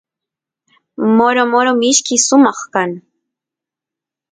moro moro mishki sumaq kan